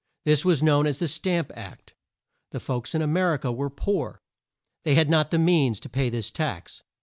This was known as the Stamp Act. The folks in A mer i ca were poor. They had not the means to pay this tax.